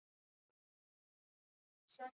中国大地重力学和地球形状学的创始人。